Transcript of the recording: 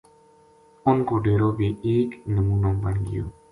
اُنھ کو ڈیرو بے ایک نمونو بن گیو